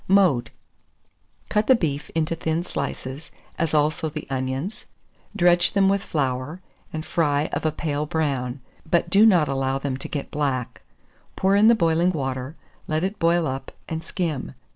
Mode. Cut the beef into thin slices, as also the onions, dredge them with flour, and fry of a pale brown, but do not allow them to get black; pour in the boiling water, let it boil up; and skim.